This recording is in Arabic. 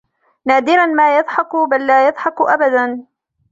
نادرا ما يضحك بل لا يضحك أبدا.